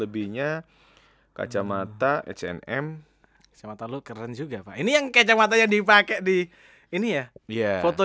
punya kacamata h m kacamata lu keren juga pak ini yang kacamata yang dipakai di ini ya foto